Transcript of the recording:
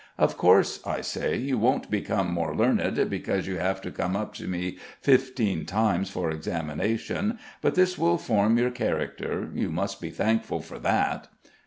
"Of course," I say, "you won't become more learned because you have to come up to me fifteen times for examination; but this will form your character. You must be thankful for that."